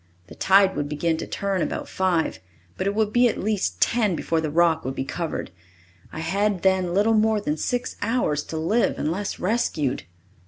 The tide would begin to turn about five, but it would be at least ten before the rock would be covered. I had, then, little more than six hours to live unless rescued.